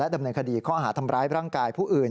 ดำเนินคดีข้อหาทำร้ายร่างกายผู้อื่น